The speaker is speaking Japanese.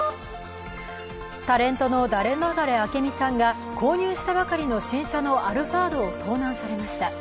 タレントのダレノガレ明美さんが購入したばかりの新車のアルファードを盗難されました。